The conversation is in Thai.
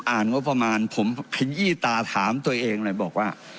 งบประมาณผมขยี้ตาถามตัวเองเลยบอกว่า